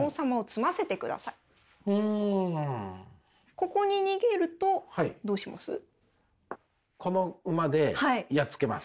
ここに逃げるとどうします？